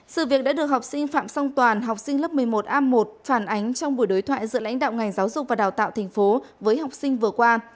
sự việc đã được học sinh phạm song toàn học sinh lớp một mươi một a một phản ánh trong buổi đối thoại giữa lãnh đạo ngành giáo dục và đào tạo thành phố với học sinh vừa qua